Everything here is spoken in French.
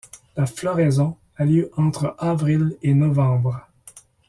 La floraison a lieu entre avril et novembre.